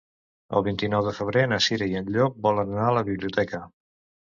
El vint-i-nou de febrer na Cira i en Llop volen anar a la biblioteca.